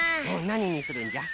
なににするんじゃ？